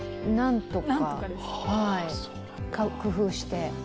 何とか工夫して。